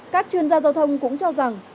các chuyên gia giao thông cũng cho rằng